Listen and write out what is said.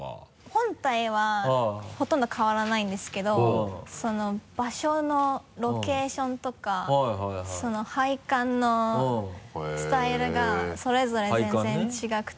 本体はほとんど変わらないんですけどその場所のロケーションとか配管のスタイルがそれぞれ全然違くて。